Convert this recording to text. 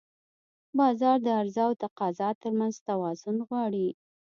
بازار د عرضه او تقاضا ترمنځ توازن غواړي.